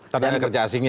tenaga kerja asingnya